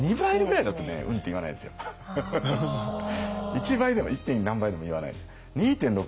１倍でも１．何倍でも言わないです。